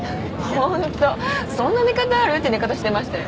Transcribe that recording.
本当そんな寝方ある？って寝方してましたよ